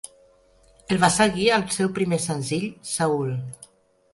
El va seguir el seu primer senzill, "Seül".